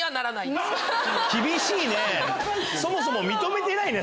そもそも認めてないね